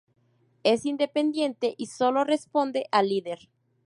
Es independiente y sólo responde al Líder.